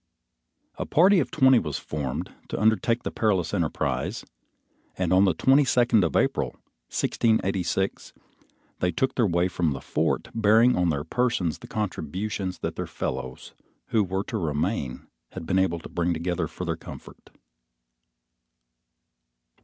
A party of twenty was formed to undertake the perilous enterprise, and on the twenty second of April, 1686, they took their way from the fort, bearing on their persons the contributions that their fellows who were to remain had been able to bring together for their comfort.